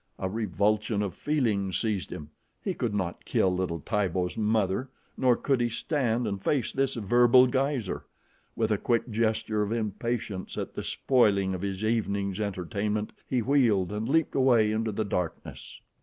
A revulsion of feeling seized him. He could not kill little Tibo's mother, nor could he stand and face this verbal geyser. With a quick gesture of impatience at the spoiling of his evening's entertainment, he wheeled and leaped away into the darkness.